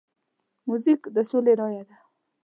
موزیک د سولې رایه ده.